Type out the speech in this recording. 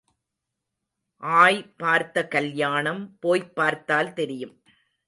ஆய் பார்த்த கல்யாணம் போய்ப் பார்த்தால் தெரியும்.